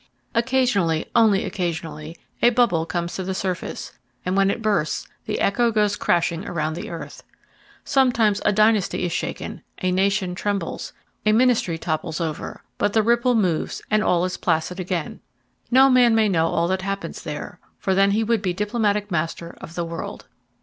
Occasionally, only occasionally, a bubble comes to the surface, and when it bursts the echo goes crashing around the earth. Sometimes a dynasty is shaken, a nation trembles, a ministry topples over; but the ripple moves and all is placid again. No man may know all that happens there, for then he would be diplomatic master of the world.